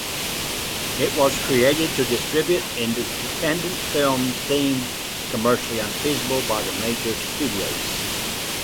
It was created to distribute independent films deemed commercially unfeasible by the major studios.